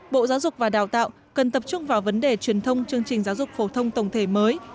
bộ giáo dục và đào tạo cần tập trung vào vấn đề truyền thông chương trình giáo dục phổ thông tổng thể mới